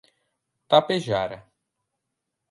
Tapejara